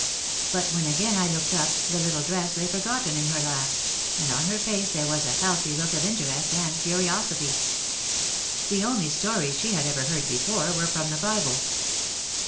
But when again I looked up the little dress lay forgotten in her lap and on her face there was a healthy look of interest and curiosity. The only stories she had ever heard before were from the Bible.